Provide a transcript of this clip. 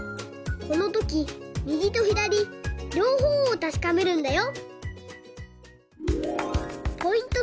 このときみぎとひだりりょうほうをたしかめるんだよ！